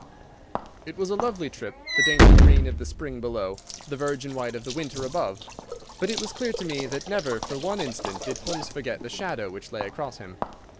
It was a lovely trip, the dainty green of the spring below, the virgin white of the winter above; but it was clear to me that never for one instant did Holmes forget the shadow which lay across him.